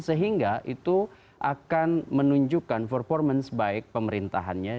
sehingga itu akan menunjukkan performance baik pemerintahannya